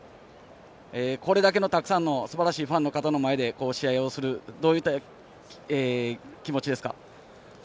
これだけたくさんのすばらしいファンの方の前で試合をするのはどういった気持ちですか？